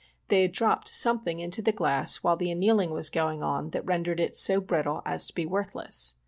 They had dropped something into the glass while the annealing was going on that rendered it so brittle as to be worthless.